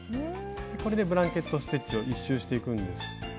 これでブランケット・ステッチを１周していくんです。